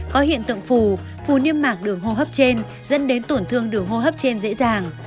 có hiện tượng phù niêm mạc đường hô hấp trên dẫn đến tổn thương đường hô hấp trên dễ dàng